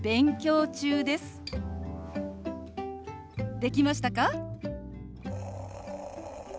できましたか？